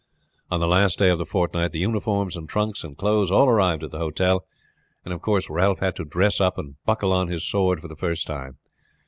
On the last day of the fortnight the uniforms and trunks and clothes all arrived at the hotel, and of course Ralph had to dress up and buckle on his sword for the first time.